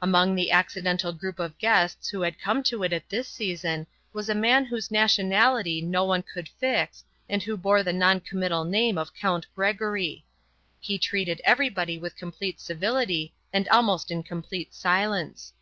Among the accidental group of guests who had come to it at this season was a man whose nationality no one could fix and who bore the non committal name of Count Gregory. He treated everybody with complete civility and almost in complete silence.